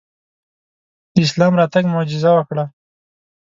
د اسلام راتګ معجزه وکړه.